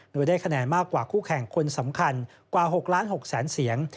โดยได้คะแนนมากกว่าคู่แข่งคนสำคัญกว่า๖ล้าน๖แสนเสียง